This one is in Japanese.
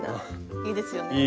いいですね。